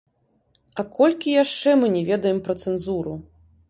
А колькі яшчэ мы не ведаем пра цэнзуру?